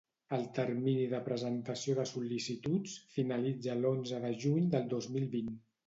El termini de presentació de sol·licituds finalitza l'onze de juny del dos mil vint.